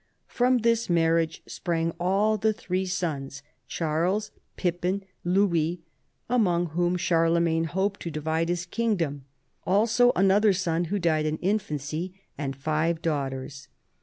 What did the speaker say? From this marriage spi'ang all the three sons, Charles, Pippin, Louis, among whom Charlemagne hoped to divide his kingdom, also another son who died in infancy, and five daughters.